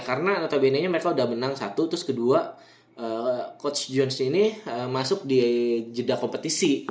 karena notabene nya mereka udah menang satu terus kedua coach jones ini masuk di jeda kompetisi